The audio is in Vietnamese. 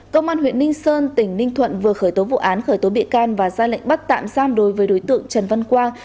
công an huyện ninh sơn tỉnh ninh thuận vừa khởi tố vụ án khởi tố bị can và ra lệnh bắt tạm giam đối với đối tượng trần văn quang